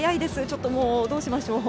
ちょっと、どうしましょう。